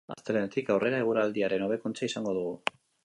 Astelehenetik aurrera eguraldiaren hobekuntza izango dugu.